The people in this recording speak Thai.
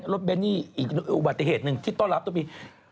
รถเบนนี่อีกวัตเทศหนึ่งที่ต้องรับต้องมี